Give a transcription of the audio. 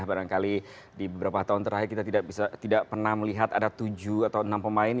barangkali di beberapa tahun terakhir kita tidak pernah melihat ada tujuh atau enam pemain